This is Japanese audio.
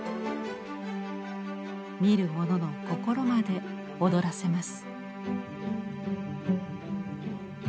見る者の心まで躍らせます。